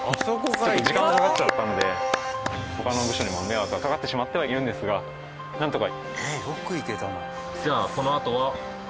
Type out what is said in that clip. ちょっと時間がかかっちゃったので他の部署にも迷惑はかかってしまってはいるんですがなんとか。